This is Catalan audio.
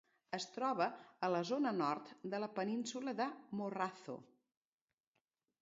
Es troba a la zona nord de la península de Morrazo.